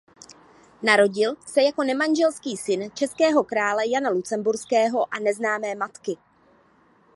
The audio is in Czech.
Narodil se jako nemanželský syn českého krále Jana Lucemburského a neznámé matky.